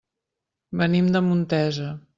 Venim de Montesa.